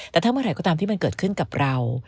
แต่ถ้าเมื่อไหร่ก็ตามที่มันเกิดขึ้นกับเรา